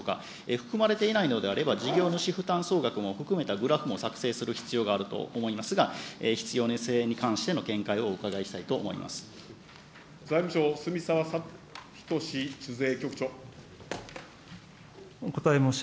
含まれていないのであれば、事業主負担総額も含めたグラフも作成する必要があると思いますが、必要性に関しての見解をお伺いした財務省、すみさわひとし